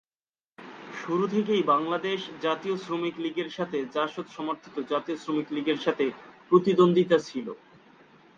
শুরু থেকেই বাংলাদেশ জাতীয় শ্রমিক লীগের সাথে জাসদ সমর্থিত জাতীয় শ্রমিক লীগের সাথে প্রতিদ্বন্দ্বিতা ছিল।